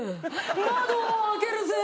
窓を開けるぜ。